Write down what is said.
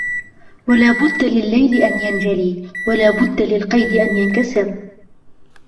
وَلَا بُدَّ لِلَّيْلِ أَنْ يَنْجَلِي وَلَا بُدَّ لِلْقَيْدِ أَنْ يَنْكَسِرْ